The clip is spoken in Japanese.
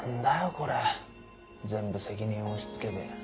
これ全部責任押し付けて。